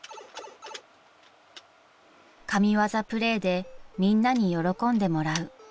［神業プレーでみんなに喜んでもらう］